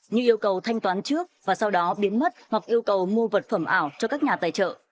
như yêu cầu thanh toán trước và sau đó biến mất hoặc yêu cầu mua vật phẩm ảo cho các nhà tài trợ